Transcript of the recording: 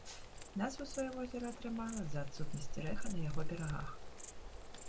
Назву сваю возера атрымала з-за адсутнасці рэха на яго берагах.